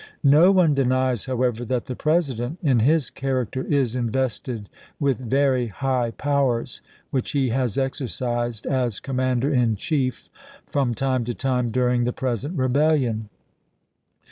No one denies, however, that the President, in his character, is invested with very high powers, which he has ex ercised, as Commander in Chief, from time to time during the present rebellion.